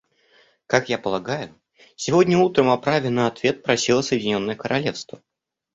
Как я полагаю, сегодня утром о праве на ответ просило Соединенное Королевство.